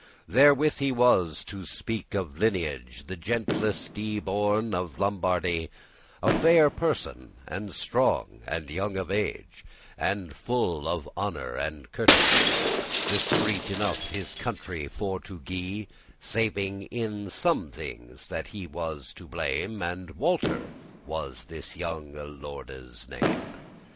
* *commonalty Therewith he was, to speak of lineage, The gentilest y born of Lombardy, A fair person, and strong, and young of age, And full of honour and of courtesy: Discreet enough his country for to gie,* *guide, rule Saving in some things that he was to blame; And Walter was this younge lordes name.